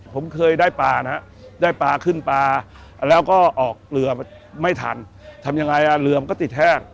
ผมเคยได้ปลานะฮะได้ปลาขึ้นปลาแล้วก็ออกเรือไม่ทันทำยังไงอ่ะเรือมันก็ติดแห้ง